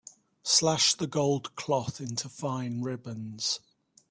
Slash the gold cloth into fine ribbons.